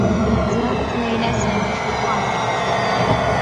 زارت ليلى سامي في القاهرة.